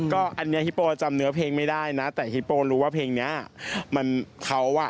ก็อันนี้ฮิโปจำเนื้อเพลงไม่ได้นะแต่ฮิปโปรู้ว่าเพลงนี้มันเขาอ่ะ